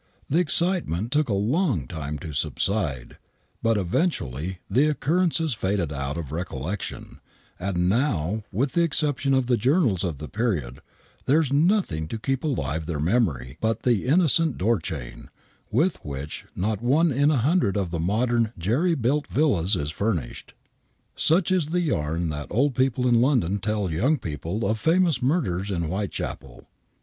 The excitement took a long time to subside, but eventually the occurrences faded out of recollection, and now, vdth the exception of the journals of the period, there is nothing yto keep alive their memory but the innocent door chain, with which not one in a hundred of the modern jerry built villas is furnished. Such IS the yam that old people in London tell young people of famous murders in Whitechapel.